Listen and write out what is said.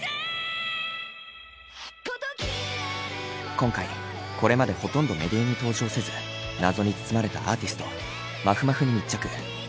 今回これまでほとんどメディアに登場せず謎に包まれたアーティストまふまふに密着。